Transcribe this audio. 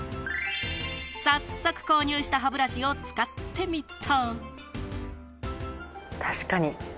早速購入した歯ブラシを使ってみた。